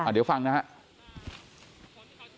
เดี๋ยวฟังนะครับ